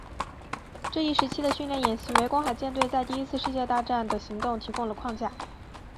这一时期的训练演习为公海舰队在第一次世界大战的行动提供了框架。